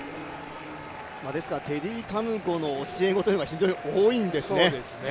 ですからテディ・タムゴーの教え子というのは非常に多いんですね。